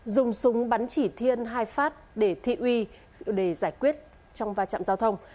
dùng súng bắn chỉ thiên hai phát để thị uy để giải quyết trong va chạm giao thông